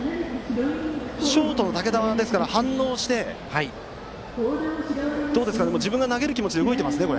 ショートの竹田が反応して自分が投げる気持ちで動いていますね。